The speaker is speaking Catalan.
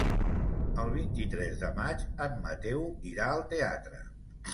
El vint-i-tres de maig en Mateu irà al teatre.